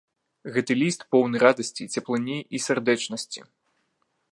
Гэты ліст поўны радасці, цяплыні і сардэчнасці.